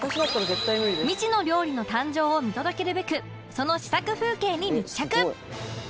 未知の料理の誕生を見届けるべくその試作風景に密着